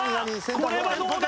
これはどうだ！？